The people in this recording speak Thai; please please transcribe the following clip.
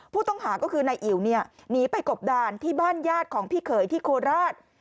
ผู้ต้องหาก็คือนายอิ๋วเนี่ยหนีไปกบดานที่บ้านญาติของพี่เขยที่โคราช